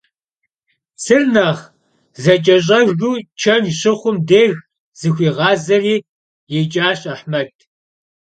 Psır nexh zeç'eş'ejju çenjj şıxhum dêjj zıxuiğazeri yiç'aş Ahmed.